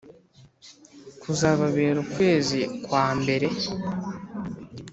Kuzababera ukwezi kwa mbere